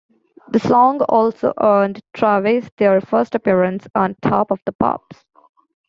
The song also earned Travis their first appearance on "Top of the Pops".